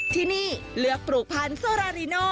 ที่นี่เลือกปลูกพันธ์โซราริโน